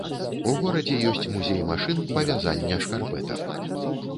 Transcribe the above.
У горадзе ёсць музей машын па вязання шкарпэтак.